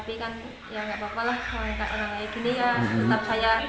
tapi kan tidak apa apa lah kalau tidak orang lain gini ya tetap saya bahagia